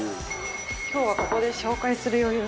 今日はここで紹介する余裕が。